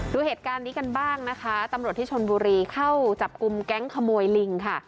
ดูเหตุการณ์นี้กันบ้างนะคะตำรวจที่ชนบุรีเข้าจับกลุ่มแก๊งขโมยลิงค่ะ